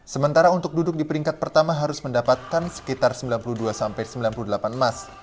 sementara untuk duduk di peringkat pertama harus mendapatkan sekitar sembilan puluh dua sembilan puluh delapan emas